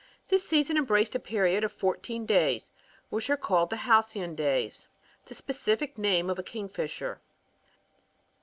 This season embraced a period of fourteen days, which were cal!ed the Halcyon days,) The specific name of a kingfisher.